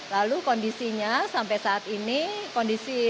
lalu kondisinya sampai kembali ke lidbangkes jakarta